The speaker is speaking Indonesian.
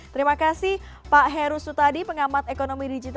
terima kasih pak heru sutadi